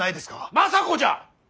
政子じゃ！